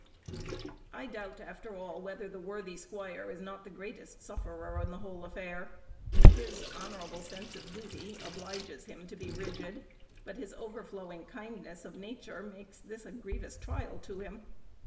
I doubt, after all, whether the worthy squire is not the greatest sufferer in the whole affair. His honourable sense of duty obliges him to be rigid, but the overflowing kindness of his nature makes this a grievous trial to him.